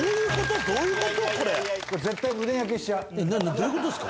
どういうことですか？